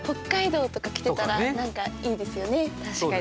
確かに。